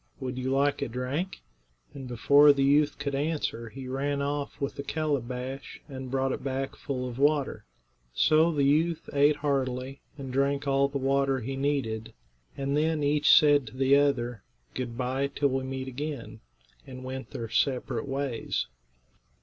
Would you like a drink?" And before the youth could answer he ran off with a calabash and brought it back full of water. So the youth ate heartily, and drank all the water he needed, and then each said to the other, "Good bye, till we meet again," and went their separate ways.